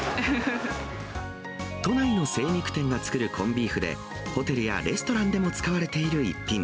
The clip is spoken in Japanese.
都内の精肉店が作るコンビーフで、ホテルやレストランでも使われている一品。